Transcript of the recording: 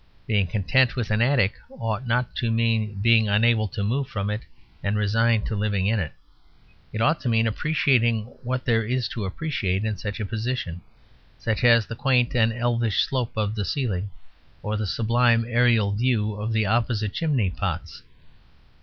Being content with an attic ought not to mean being unable to move from it and resigned to living in it. It ought to mean appreciating what there is to appreciate in such a position; such as the quaint and elvish slope of the ceiling or the sublime aerial view of the opposite chimney pots.